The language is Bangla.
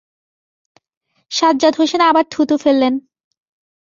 সাজ্জাদ হোসেন আবার থুথু ফেললেন।